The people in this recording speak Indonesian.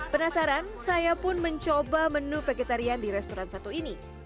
penasaran saya pun mencoba menu vegetarian di restoran satu ini